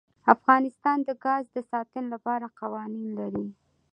افغانستان د ګاز د ساتنې لپاره قوانین لري.